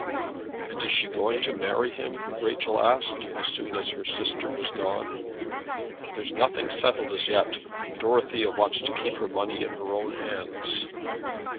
"And is she going to marry him?" Rachel asked, as soon as her sister was gone. "There's nothing settled as yet. Dorothea wants to keep her money in her own hands."